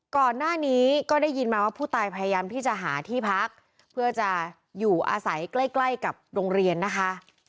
ก่อนหน้านี้ก็ได้ยินมาว่าผู้ตายพยายามที่จะหาที่พักเพื่อจะอยู่อาศัยใกล้ใกล้กับโรงเรียนนะคะ